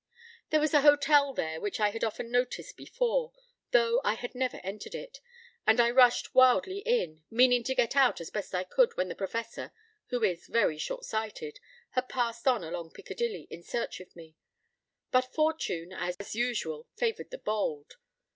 p> There was an hotel there, which I had often noticed before, though I had never entered it; and I rushed wildly in, meaning to get out as best I could when the Professor (who is very short sighted) had passed on along Piccadilly in search of me. But fortune, as usual, favoured the bold.